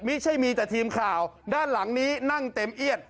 ไม่ใช่มีแต่ทีมข่าวด้านหลังนี้นั่งเต็มเอียด